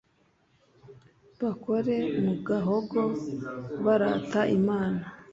bakore mu gahogo barata Imana